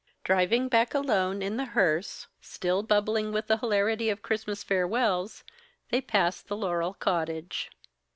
Driving back alone in the "hearse," still bubbling with the hilarity of Christmas farewells, they passed the Laurel Cottage.